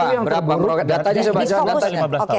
yang terburuk berapa meroket data lima belas tahun